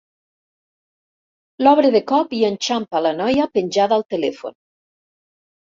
L'obre de cop i enxampa la noia penjada al telèfon.